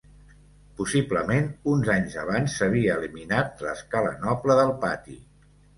Possiblement, uns anys abans s'havia eliminat l'escala noble del pati.